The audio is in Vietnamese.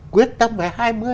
quyết tâm về hai mươi